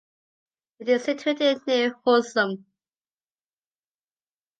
It is situated near Husum.